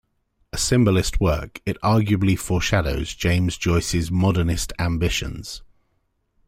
A Symbolist work, it arguably foreshadows James Joyce's Modernist ambitions.